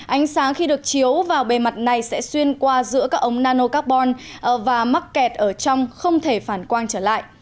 ánh sáng khi được chiếu vào bề mặt này sẽ xuyên qua giữa các ống nano carbon và mắc kẹt ở trong không thể phản quang trở lại